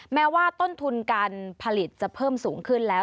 แม้ว่าต้นทุนการผลิตจะเพิ่มสูงขึ้นแล้ว